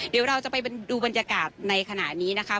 เดี๋ยวเราจะไปดูบรรยากาศในขณะนี้นะคะ